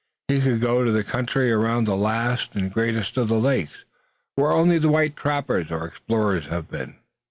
He could go to the country around the last and greatest of the lakes, where only the white trapper or explorer has been."